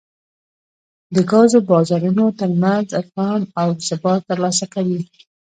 د ګازو بازارونو ترمنځ ادغام او ثبات ترلاسه کوي